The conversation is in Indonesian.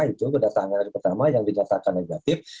itu kedatangan hari pertama yang dinyatakan negatif